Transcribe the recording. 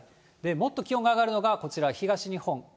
もっと気温が上がるのがこちら、東日本。